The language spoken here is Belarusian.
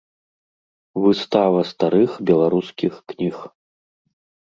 Выстава старых беларускіх кніг.